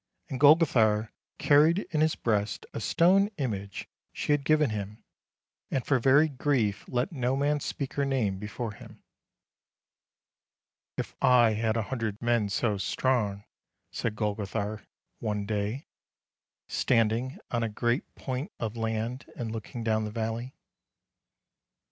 And Golgothar carried in his breast a stone image she had given him, and for very grief let no man speak her name before him. " If I had a hundred men so strong —" said Golgo thar, one day, standing on a great point of land and looking down the valley.